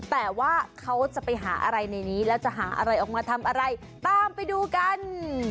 แต่ว่าเขาจะไปหาอะไรในนี้แล้วจะหาอะไรออกมาทำอะไรตามไปดูกัน